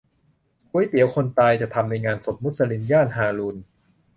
ก๋วยเตี๋ยวคนตาย จะทำในงานศพมุสลิม ย่านฮารูณ